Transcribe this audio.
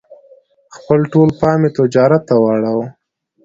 خپل ټول پام یې تجارت ته واړاوه.